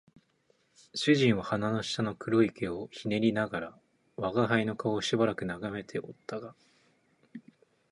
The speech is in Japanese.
主人は鼻の下の黒い毛を撚りながら吾輩の顔をしばらく眺めておったが、